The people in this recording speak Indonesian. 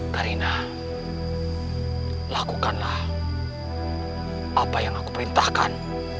karina lakukanlah apa yang aku perintahkan